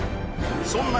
そんな